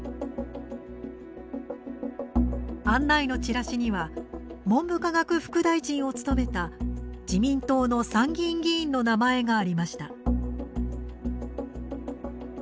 案内のチラシには文部科学副大臣を務めた自民党の参議院議員の名前がありました。